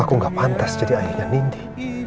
aku gak pantas jadi ayahnya ninggih